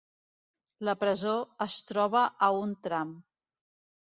La presó es troba a un tram.